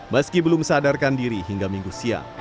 meski belum sadarkan diri hingga minggu siang